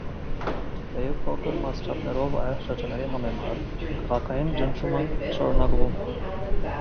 Թեև փոքր մասշտաբներով այլ շրջանների համեմատ, քաղաքային ճնշումը շարունակվում է։